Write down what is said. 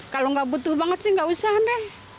kalau nggak butuh banget sih nggak usah deh